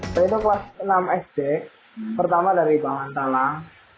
saya itu kelas enam sd pertama dari bahan talang